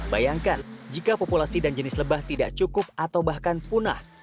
bayangkan jika populasi dan jenis lebah tidak cukup atau bahkan punah